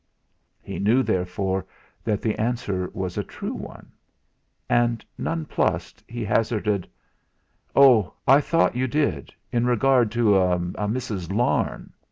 He knew therefore that the answer was a true one. And non plussed, he hazarded: "Oh! I thought you did, in regard to a Mrs. Larne."